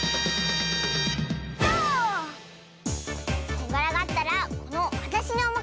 こんがらがったらこのわたしにおまかせ！